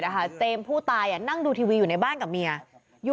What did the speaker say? เจมส์ผู้ตายนั่งดูทีวีอยู่ในบ้านกับเมียอยู่